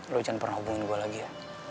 lo jangan pernah hubungin gue lagi ya